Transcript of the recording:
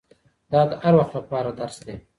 دا د هر وخت له پاره درس دی